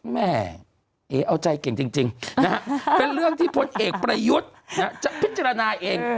แม่เอ๋เอาใจเก่งจริงนะฮะเป็นเรื่องที่พลเอกประยุทธ์จะพิจารณาเอง